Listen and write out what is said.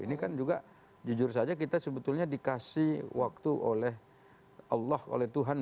ini kan juga jujur saja kita sebetulnya dikasih waktu oleh allah oleh tuhan